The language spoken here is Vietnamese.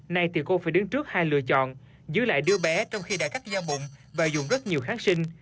nay thì cô phải đứng trước hai lựa chọn giữ lại đứa bé trong khi đã cắt giao bụng và dùng rất nhiều kháng sinh